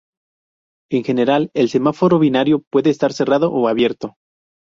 En general, el semáforo binario puede estar cerrado o abierto.